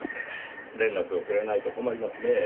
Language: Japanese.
連絡をくれないと困りますねぇ。